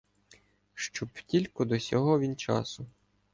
Щоб тілько до сього він часу